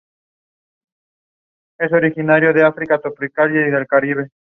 Esta península separa el lago Strangford del canal del Norte del mar de Irlanda.